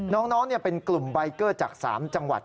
น้องเป็นกลุ่มใบเกอร์จาก๓จังหวัด